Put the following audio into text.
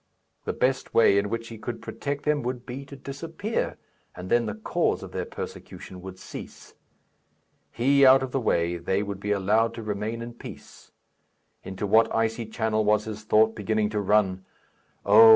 The best way in which he could protect them would be to disappear, and then the cause of their persecution would cease. He out of the way, they would be allowed to remain in peace. Into what icy channel was his thought beginning to run! Oh!